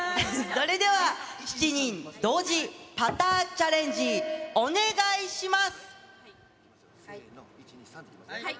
それでは７人同時パターチャレンジ、お願いします。